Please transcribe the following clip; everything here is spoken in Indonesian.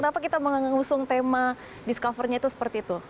bagaimana teman teman yang mengusung tema discovernya itu seperti itu